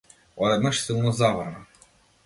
Одеднаш силно заврна.